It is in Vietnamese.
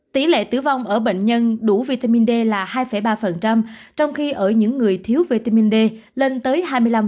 tỷ lệ tử vong ở bệnh nhân đủ vitamin d là hai ba trong khi ở những người thiếu vitamin d lên tới hai mươi năm